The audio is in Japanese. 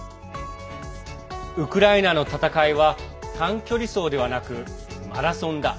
ウクライナの戦いは短距離走ではなくマラソンだ。